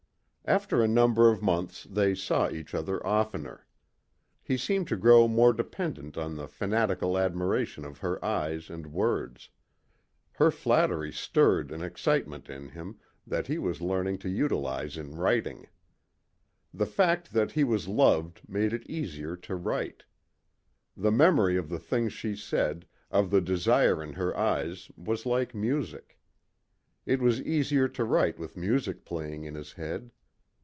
After a number of months they saw each other oftener. He seemed to grow more dependent on the fanatical admiration of her eyes and words. Her flattery stirred an excitement in him that he was learning to utilize in writing. The fact that he was loved made it easier to write. The memory of the things she said, of the desire in her eyes was like music. It was easier to write with music playing in his head.